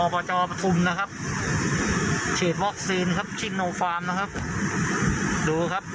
ประจอปถุมนะครับครับครับดูครับ